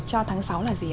cho tháng sáu là gì ạ